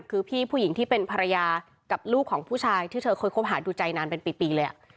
คือพี่ผู้หญิงที่เป็นภรรยากับลูกของผู้ชายที่เธอเคยคบหาดูใจนานเป็นปีเลย